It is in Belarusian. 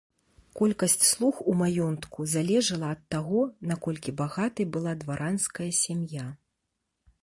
Колькасць слуг у маёнтку залежала ад таго, наколькі багатай была дваранская сям'я.